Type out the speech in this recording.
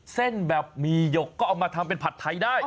เส้นแบบหมี่หยกก็เอามาทำเป็นผัดไทยได้